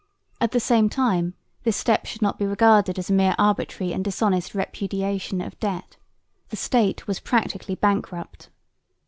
At the same time this step should not be regarded as a mere arbitrary and dishonest repudiation of debt. The State was practically bankrupt.